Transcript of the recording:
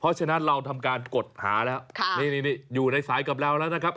เพราะฉะนั้นเราทำการกดหาแล้วนี่อยู่ในสายกับเราแล้วนะครับ